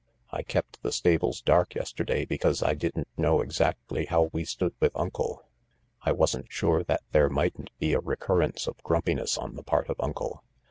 " I kept the stables dark yesterday because I didn't know exactly how we stood with Uncle. I wasn't sure that there mightn't be a recurrence of grumpiness on the part of Uncle.